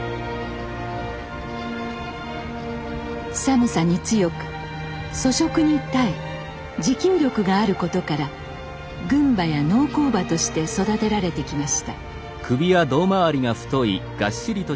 寒さに強く粗食に耐え持久力があることから軍馬や農耕馬として育てられてきました。